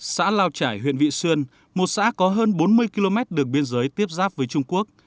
xã lao trải huyện vị xuyên một xã có hơn bốn mươi km đường biên giới tiếp giáp với trung quốc